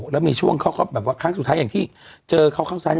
แล้วมีช่วงเขาก็แบบว่าครั้งสุดท้ายอย่างที่เจอเขาข้างซ้าย